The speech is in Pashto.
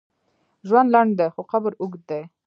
ژوند لنډ دی، خو قبر اوږد دی.